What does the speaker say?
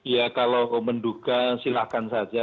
ya kalau menduga silahkan saja